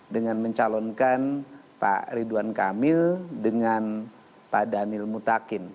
dengan mencalonkan pak ridwan kamil dengan pak daniel mutakin